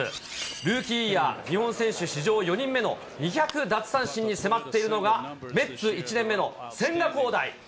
ルーキーイヤー、日本選手史上４人目の２００奪三振に迫っているのが、メッツ１年目の千賀滉大。